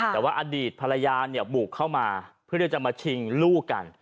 แต่ว่าอดีตภรรยาเนี่ยบุกเข้ามาเพื่อที่จะมาชิงลูกกัน